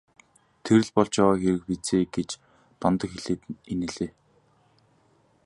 Тэр л болж яваа хэрэг биз ээ гэж Дондог хэлээд инээлээ.